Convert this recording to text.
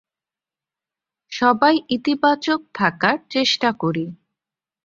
সবাই ইতিবাচক থাকার চেষ্টা করি।